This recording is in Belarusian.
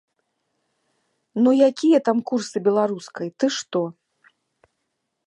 Ну якія там курсы беларускай, ты што.